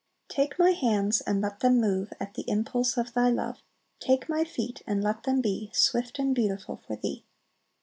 "Take my hands, and let them move At the impulse of Thy love. Take my feet, and let them be Swift and beautiful' for Thee."